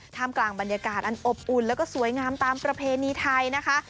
กลางบรรยากาศอันอบอุ่นแล้วก็สวยงามตามประเพณีไทยนะคะ